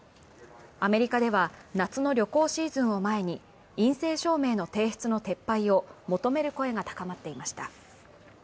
アメリカでは、夏の旅行シーズンを前に陰性証明の提出の撤廃を求める声が高まっていました。